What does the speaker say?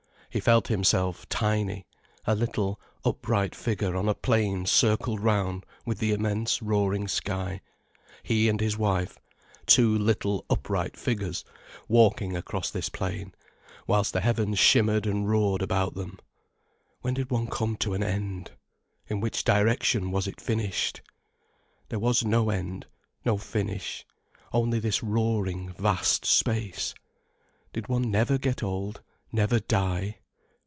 He felt himself tiny, a little, upright figure on a plain circled round with the immense, roaring sky: he and his wife, two little, upright figures walking across this plain, whilst the heavens shimmered and roared about them. When did one come to an end? In which direction was it finished? There was no end, no finish, only this roaring vast space. Did one never get old, never die?